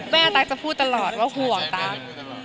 ตั๊กจะพูดตลอดว่าห่วงตั๊ก